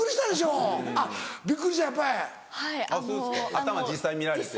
頭実際見られて。